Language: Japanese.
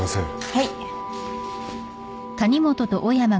はい。